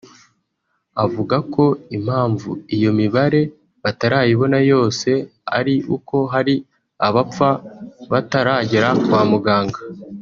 Avuga ko impamvu iyo mibare batayibona yose ari uko hari abapfa bataragera kwa muganga